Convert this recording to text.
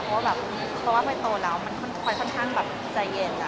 เพราะว่าไปโตแล้วมันค่อนข้างใจเย็น